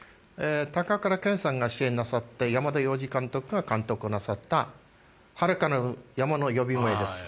高倉健さんが主演なさって山田洋次監督が監督なさった『遙かなる山の呼び声』です。